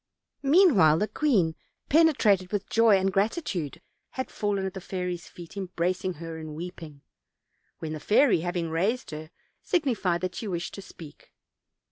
Meanwhile, the queen, penetrated with joy and gratitude, had fallen at the fairy's feet, embracing her and weeping; when the fairy, having raised her, signified that she wished to speak.